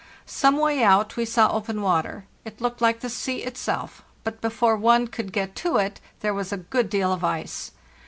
Some way out we saw open water; it looked like the sea itself, but before one could get to it there was a good deal of ice.